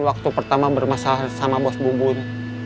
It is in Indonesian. waktu pertama bermasalah sama bos bubun